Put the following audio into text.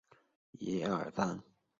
该市场也成为日立的的企业都市。